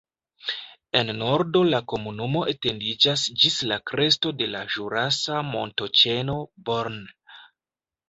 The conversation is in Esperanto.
En nordo la komunumo etendiĝas ĝis la kresto de la ĵurasa montoĉeno Born.